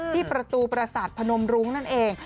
ที่ประตูประสาทพนมรุ้งนั่นเอง